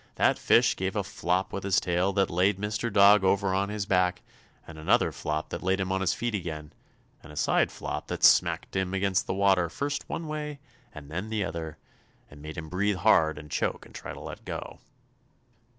That fish gave a flop with his tail that laid Mr. Dog over on his back and then another flop that set him on his feet again, and a side flop that smacked him against the water first one way and then the other, and made him breathe hard and choke and try to let go.